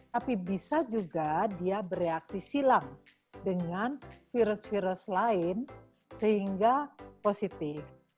tapi bisa juga dia bereaksi silang dengan virus virus lain sehingga positif